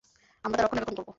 আমরা তার রক্ষণাবেক্ষণ করব।